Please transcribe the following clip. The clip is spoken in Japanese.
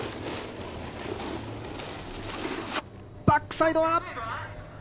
バックサイドは？